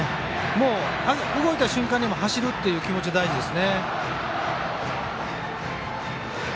もう動いた瞬間に走るという気持ちが大事です。